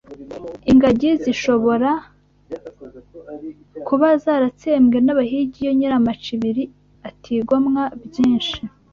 Ingagi zashoboraga kuba zaratsembwe n’abahigi iyo Nyiramacibiri atigomwa byinshi